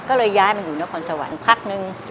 ก็เลยย้ายมาอยู่นครสวรรค์พักนึง